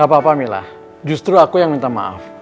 apa apa mila justru aku yang minta maaf